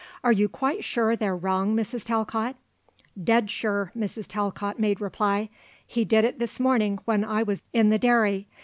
"Are you quite sure they're wrong, Mrs. Talcott?" "Dead sure," Mrs. Talcott made reply. "He did it this morning when I was in the dairy.